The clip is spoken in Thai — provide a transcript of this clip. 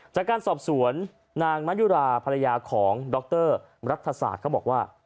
จากการสอบสวนนางมายุราภรรยาของดรรัฐศาสตร์เขาบอกว่า